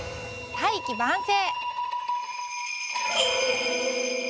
「大器晩成」。